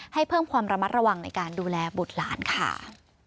ให้เพิ่มความระมัดระวังในการดูแลบุตรหลานค่ะ